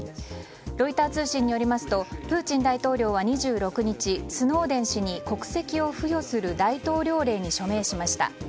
ロイター通信によりますとプーチン大統領は２６日スノーデン氏に国籍を付与する大統領令に署名しました。